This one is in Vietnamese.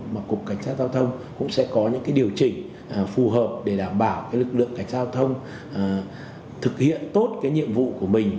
mà cục cảnh sát giao thông cũng sẽ có những điều chỉnh phù hợp để đảm bảo lực lượng cảnh giao thông thực hiện tốt cái nhiệm vụ của mình